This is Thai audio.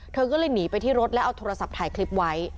เธอก็เลยหนีไปที่รถแล้วเอาโทรศัพท์ถ่ายคลิปไว้